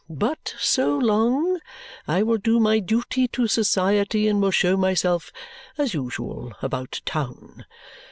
But, so long, I will do my duty to society and will show myself, as usual, about town.